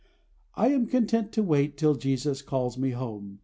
I am content to wait Till Jesus calls me home.